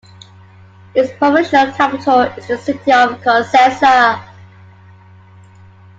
Its provincial capital is the city of Cosenza.